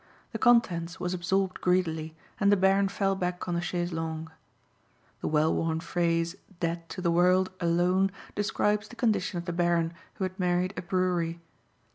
The contents was absorbed greedily, and the Baron fell back on the chaise longue. The well worn phrase "dead to the world" alone describes the condition of the Baron, who had married a brewery.